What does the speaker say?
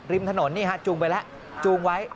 ริมถนนนี่ฮะจูงไปแล้วจูงไว้